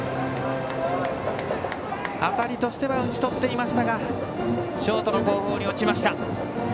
当たりとしては打ち取っていましたがショートの後方に落ちました。